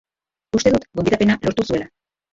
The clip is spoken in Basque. Uste dut gonbidapena lortu zuela.